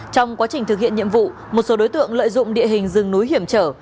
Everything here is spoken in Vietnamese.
trong quá trình thực hiện nhiệm vụ một số đối tượng lợi dụng địa hình rừng núi hiểm trở